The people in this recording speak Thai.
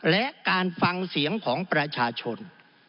และการฟังเสียงของประชาชน